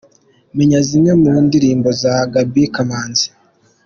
Menya zimwe mu ndirimbo za Gaby Kamanzi.